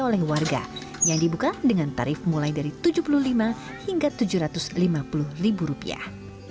oleh warga yang dibuka dengan tarif mulai dari tujuh puluh lima hingga tujuh ratus lima puluh ribu rupiah